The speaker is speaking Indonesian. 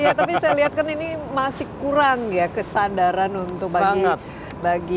iya tapi saya lihat kan ini masih kurang ya kesadaran untuk bagi